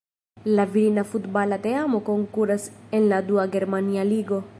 La virina futbala teamo konkuras en la dua germania ligo.